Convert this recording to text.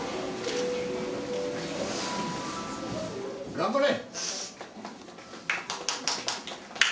頑張れ。